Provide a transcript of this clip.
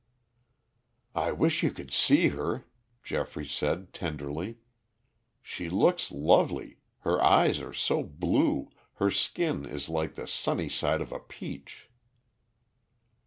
"I wish you could see her," Geoffrey said tenderly, "she looks lovely. Her eyes are so blue, her skin is like the sunny side of a peach."